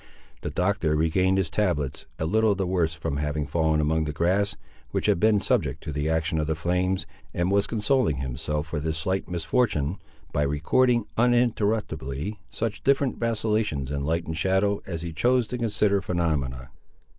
The Doctor regained his tablets, a little the worse from having fallen among the grass which had been subject to the action of the flames, and was consoling himself for this slight misfortune by recording uninterruptedly such different vacillations in light and shadow as he chose to consider phenomena.